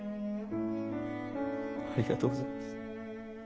ありがとうございます。